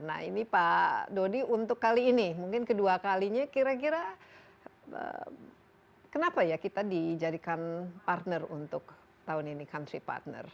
nah ini pak dodi untuk kali ini mungkin kedua kalinya kira kira kenapa ya kita dijadikan partner untuk tahun ini country partner